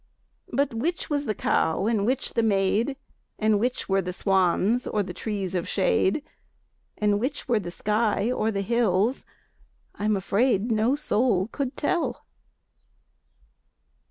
But which was the cow and which the maid, And which were the swans or the trees of shade, And which were the sky or the hills, I'm afraid, No soul could tell.